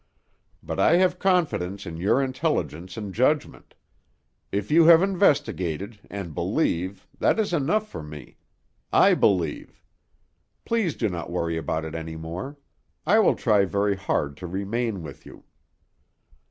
But I have confidence in your intelligence and judgment; if you have investigated, and believe, that is enough for me; I believe. Please do not worry about it any more; I will try very hard to remain with you."